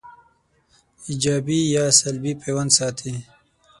ایجابي یا سلبي پیوند ساتي